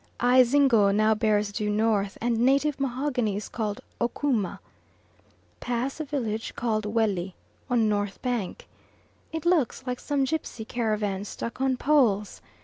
Ayzingo now bears due north and native mahogany is called "Okooma." Pass village called Welli on north bank. It looks like some gipsy caravans stuck on poles.